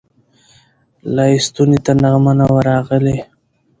لا یې ستوني ته نغمه نه وه راغلې